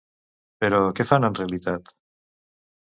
Però què fan, en realitat?